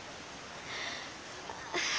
ああ。